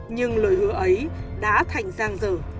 nhưng lời hứa ấy đã thành giang dở